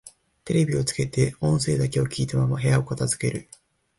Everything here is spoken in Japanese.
テレビをつけて音声だけを聞いたまま部屋を片づける